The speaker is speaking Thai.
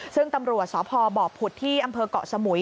ซึ่งตำรวจสพบผุดที่อำเภอกเกาะสมุย